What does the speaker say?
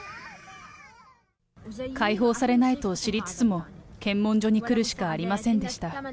開放されないと知りつつも、検問所に来るしかありませんでした。